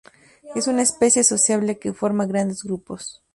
Es una especie sociable que forma grandes grupos.